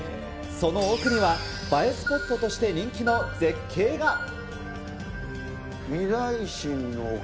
その奥には映えスポットとして人気の絶景が。